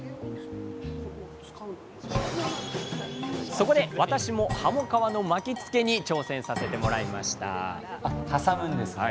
そこで私も「はも皮の巻き付け」に挑戦させてもらいました挟むんですね。